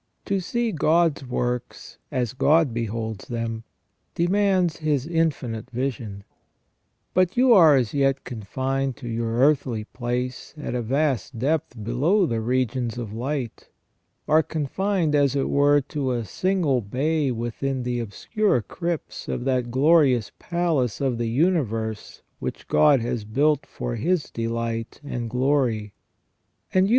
To see God's works as God beholds them demands His infinite vision. But you are as yet confined to your earthly place at a vast depth below the regions of light \ are confined, as it were, to a single bay within the obscure crypts of that glorious palace of the universe which God has built for His delight and glory ; and you 254 J^f^^y MAN WAS NOT CREATED PERFECT.